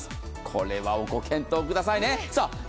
これはご検討くださいね。